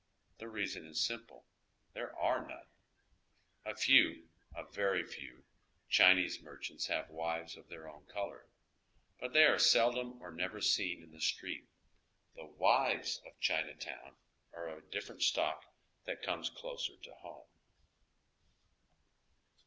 The reason is simple: there are none. A few, a veiy few, Chinese merchants have wives of their own color, but they are seldom or never seen in the street. The " wives " of Chinatown are of a different stock that comes closer home.